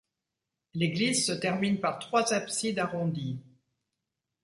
L'église se termine par trois absides arrondies.